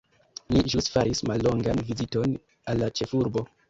Ni ĵus faris mallongan viziton al la ĉefurbo.